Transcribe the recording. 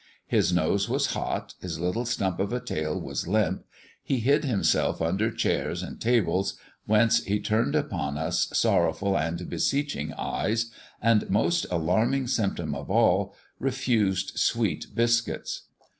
His nose was hot, his little stump of a tail was limp, he hid himself under chairs and tables, whence he turned upon us sorrowful and beseeching eyes, and, most alarming symptom of all, refused sweet biscuits.